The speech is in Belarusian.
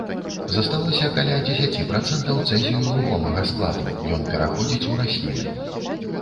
Засталося каля дзесяці працэнтаў цэзію рухомага складу, ён пераходзіць у расліны.